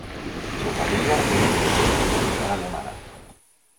Su familia es de descendencia alemana.